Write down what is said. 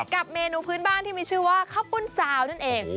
กับเมนูพื้นบ้านที่มีชื่อว่าข้าวปุ้นซาวนั่นเอง